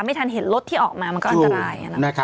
ไม่ทันเห็นรถที่ออกมามันก็อันตราย